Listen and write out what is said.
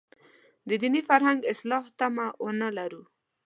د دیني فرهنګ اصلاح تمه ونه لرو.